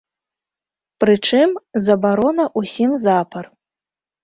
Прычым, забарона ўсім запар.